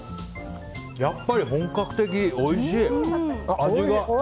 やっぱり本格的、おいしい。